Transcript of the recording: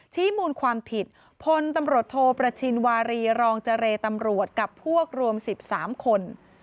ชี้มูลความผิดพลตำรวจโทประชินวารีรองเจรตำรวจกับพวกรวม๑๓คน